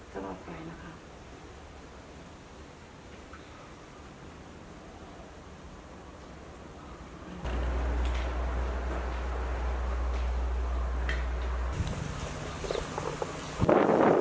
ดูพนักฟังมันเท่าไหร่นะค่ะ